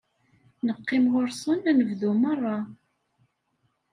Neqqim ɣur-sen anebdu merra.